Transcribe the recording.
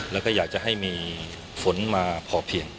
แล้วก็อยากจะให้มีฝนมาพอเพียง